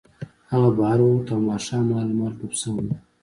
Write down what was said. هغه بهر ووت او ماښام مهال لمر ډوب شوی و